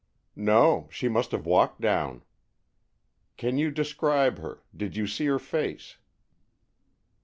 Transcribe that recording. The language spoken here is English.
"No, she must have walked down." "Can you describe her? Did you see her face?"